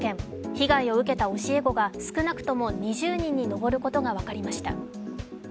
被害を受けた教え子が少なくとも２０人に上ることが分かりました。